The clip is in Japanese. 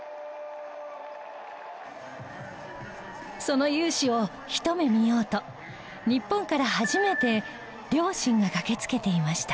その雄姿をひと目見ようと日本から初めて両親が駆けつけていました。